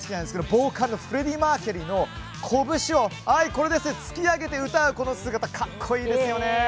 ボーカルのフレディ・マーキュリーの拳を突き上げて歌う姿がかっこいいですよね。